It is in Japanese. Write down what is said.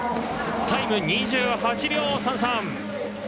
タイムは２８秒３３。